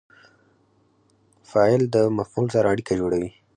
فاعل د مفعول سره اړیکه جوړوي.